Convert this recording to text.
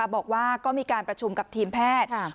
บอกว่าก็มีการประชุมกับทีมแพทย์